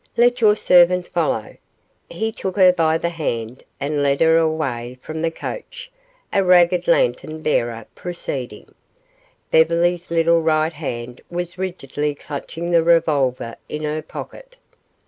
Let your servant follow." He took her by the hand, and led her away from the coach, a ragged lantern bearer preceding. Beverly's little right hand was rigidly clutching the revolver in her pocket.